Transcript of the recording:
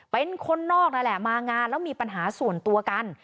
เป็นคนนอกนั่นแหละมางานแล้วมีปัญหาส่วนตัวกัน